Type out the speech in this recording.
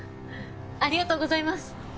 ありがとうございます！